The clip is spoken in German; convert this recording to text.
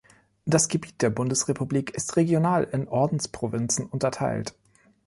Das Gebiet der Bundesrepublik ist regional in Ordensprovinzen unterteilt.